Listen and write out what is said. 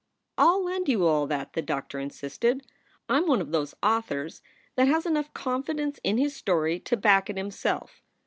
"I ll lend you all that," the doctor insisted. "I m one of those authors that has enough confidence in his story to back it himself.